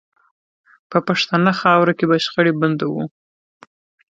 په پښتنه خاوره کې به شخړې بندوو